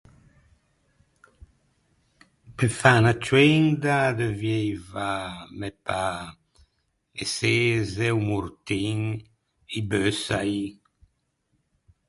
Pe fâ unna cioenda addeuvieiva, me pâ, e çeze, o mortin, i beussai.